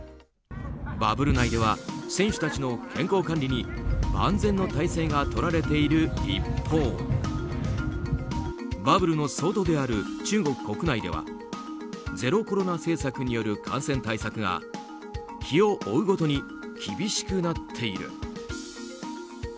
バブル内では選手たちの健康管理に万全の態勢が取られている一方バブルの外である中国国内ではゼロコロナ政策による感染対策が日を追うごとに厳しくなっている。